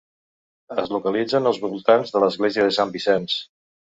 Es localitzen als voltants de l'església de Sant Vicenç.